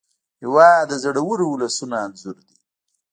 هېواد د زړورو ولسونو انځور دی.